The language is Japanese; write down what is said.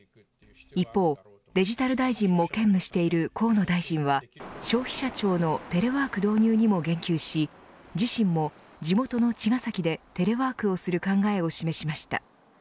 一方、デジタル大臣も兼務している河野大臣は消費者庁のテレワーク導入にも言及し自身も地元の茅ヶ崎でテレワークをする考えを示しました。